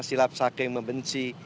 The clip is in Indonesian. sikap saling membenci